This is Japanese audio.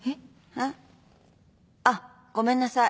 うん？あっごめんなさい。